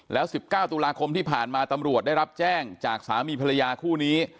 แล้ว๑๙ตุลาคมที่ผ่านมาตำรวจได้รับแจ้งจากสามีภรรยาคู่นี้